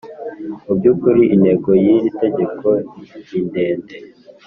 Mu by ‘ukuri intego y ‘iri tegeko nindende.